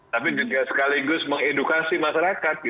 tapi juga sekaligus mengedukasi masyarakat